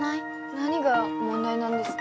何が問題なんですか？